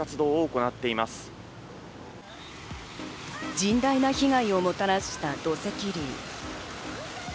甚大な被害をもたらした土石流。